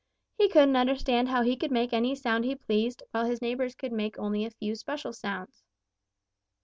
He couldn't understand how he could make any sound he pleased, while his neighbors could make only a few special sounds.